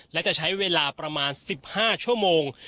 และจะใช้เวลาประมาณ๑๕ชั่วโมง